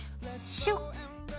シュッ。